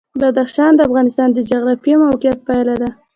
بدخشان د افغانستان د جغرافیایي موقیعت پایله ده.